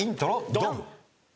ドン！